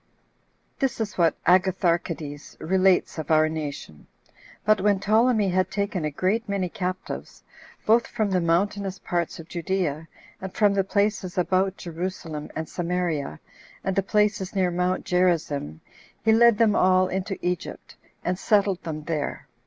This is what Agatharchides relates of our nation. But when Ptolemy had taken a great many captives, both from the mountainous parts of Judea, and from the places about Jerusalem and Samaria, and the places near Mount Gerizzim, he led them all into Egypt, 2 and settled them there.